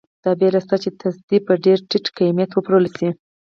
دا وېره شته چې تصدۍ په ډېر ټیټ قیمت وپلورل شي.